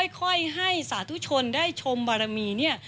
ค่อยให้สาธุชนได้ชมบารมีเนี่ย